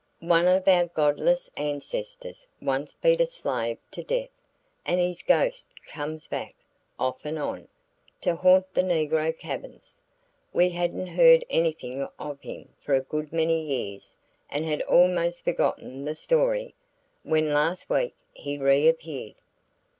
"One of our godless ancestors once beat a slave to death and his ghost comes back, off and on, to haunt the negro cabins. We hadn't heard anything of him for a good many years and had almost forgotten the story, when last week he reappeared.